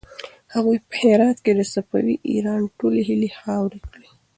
هغوی په هرات کې د صفوي ایران ټولې هيلې خاورې کړې.